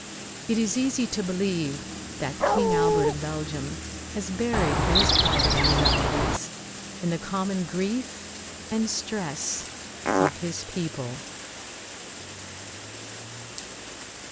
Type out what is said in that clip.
It is easy to believe that King Albert of Belgium has buried his private anxieties in the common grief and stress of his people.